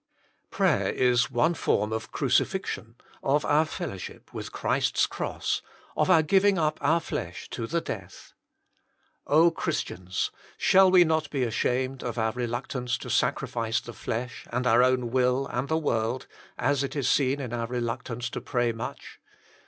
Prayer is one form of crucifixion, of our fellowship with Christ s Cross, of our giving up our flesh to the death. O Christians ! shall we not be ashamed of our reluctance to sacrifice the flesh and our own will and the world, as it is seen in our reluctance to pray much